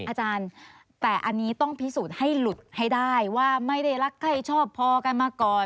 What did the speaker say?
อาจารย์แต่อันนี้ต้องพิสูจน์ให้หลุดให้ได้ว่าไม่ได้รักใครชอบพอกันมาก่อน